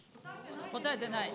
答えてない。